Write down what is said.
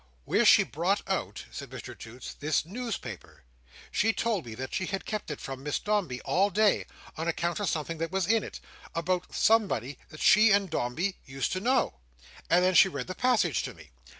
"Where she brought out," said Mr Toots, "this newspaper. She told me that she had kept it from Miss Dombey all day, on account of something that was in it, about somebody that she and Dombey used to know; and then she read the passage to me.